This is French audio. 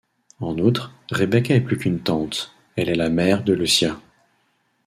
En outre, Rebeca est plus qu'une tante, elle est la mère de Lucia.